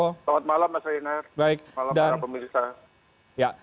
selamat malam mas reinhardt selamat malam pak mirza